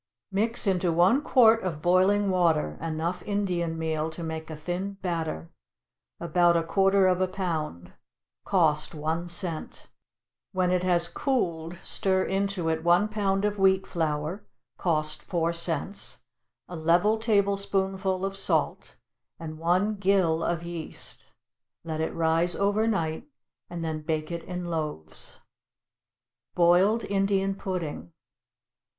= Mix into one quart of boiling water enough Indian meal to make a thin batter, about a quarter of a pound, (cost one cent;) when it has cooled, stir into it one pound of wheat flour, (cost four cents,) a level tablespoonful of salt, and one gill of yeast; let it rise overnight, and then bake it in loaves. =Boiled Indian Pudding.